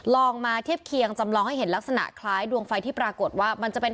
ลองมาเทียบเคียงจำลองให้เห็นลักษณะคล้ายดวงไฟที่ปรากฏว่ามันจะเป็น